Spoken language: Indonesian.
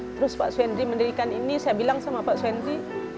terus pak suendi mendirikan ini saya bilang sama pak sunri